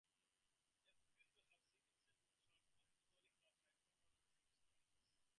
A few do have significant motions, and are usually called high-proper motion stars.